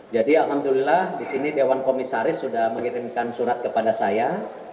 jadi alhamdulillah di sini dewan komisaris sudah mengirimkan surat kepada saya